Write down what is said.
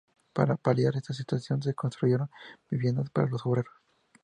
Para paliar esta situación, se construyeron viviendas para los obreros.